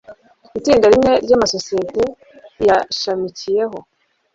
itsinda rimwe ry amasosiyete ayishamikiyeho